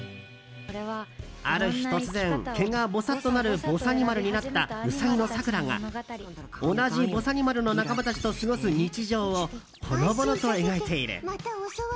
ある日突然、毛がぼさっとなるぼさにまるになったウサギのさくらが同じぼさにまるの仲間たちと過ごす日常をほのぼのと描いている。